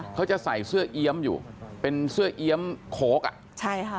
เขาจะใส่เสื้อเอี๊ยมอยู่เป็นเสื้อเอี๊ยมโค้กอ่ะใช่ค่ะ